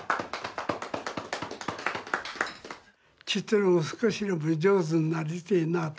ちっとでも少しでも上手になりてえなと。